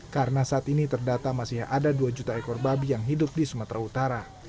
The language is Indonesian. karena saat ini terdata masih ada dua juta ekor babi yang hidup di sumatera utara